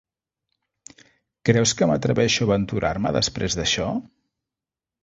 Creus que m'atreveixo a aventurar-me després d'això?